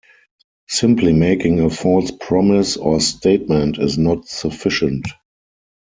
Simply making a false promise or statement is not sufficient.